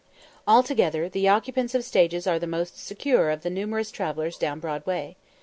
Altogether, the occupants of stages are the most secure of the numerous travellers down Broadway.